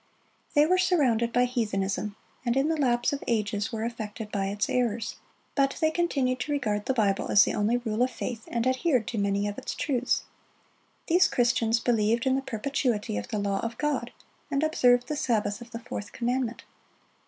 They were surrounded by heathenism, and in the lapse of ages were affected by its errors; but they continued to regard the Bible as the only rule of faith, and adhered to many of its truths. These Christians believed in the perpetuity of the law of God, and observed the Sabbath of the fourth commandment.